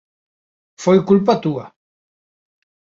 Foi culpa túa.